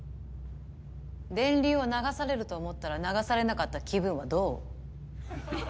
電流を流されると思ったら流されなかった気分はどう？